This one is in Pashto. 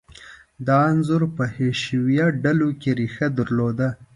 دا انځور په حشویه ډلو کې ریښه درلوده.